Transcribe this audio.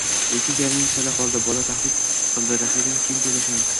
Lekin gapimiz chala qoldi, bola, – tahdid qildi raqibim. – Keyin gaplashamiz.